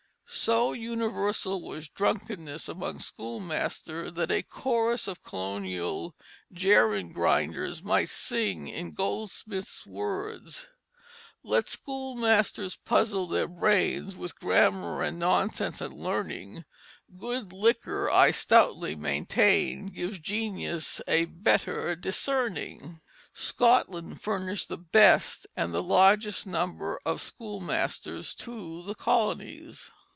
So universal was drunkenness among schoolmasters that a chorus of colonial "gerund grinders" might sing in Goldsmith's words: "Let schoolmasters puzzle their brains With grammar and nonsense and learning, Good liquor, I stoutly maintain, Gives genius a better discerning." [Illustration: handwritten note] Scotland furnished the best and the largest number of schoolmasters to the colonies.